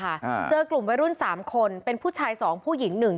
อ่าเจอกลุ่มวัยรุ่นสามคนเป็นผู้ชายสองผู้หญิงหนึ่ง